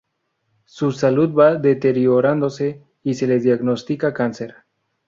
Su salud va deteriorándose y se le diagnostica cáncer.